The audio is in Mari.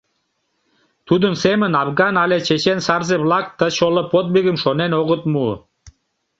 Тудын семын афган але чечен сарзе-влак ты чоло подвигым шонен огыт му.